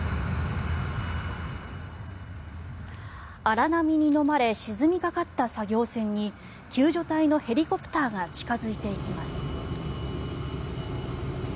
荒波にのまれ沈みかかった作業船に救助隊のヘリコプターが近付いていきます。